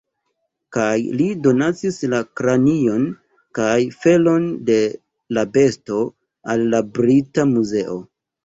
Kaj li donacis la kranion kaj felon de la besto al la Brita Muzeo.